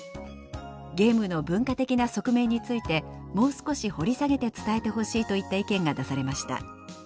「ゲームの文化的な側面についてもう少し掘り下げて伝えてほしい」といった意見が出されました。